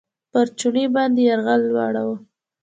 پر چوڼۍ باندې یرغل ورووړ.